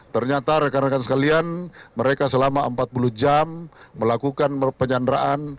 ternyata rekan rekan sekalian mereka selama empat puluh jam melakukan penyanderaan